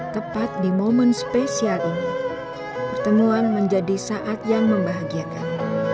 tepat di momen spesial ini pertemuan menjadi saat yang membahagiakan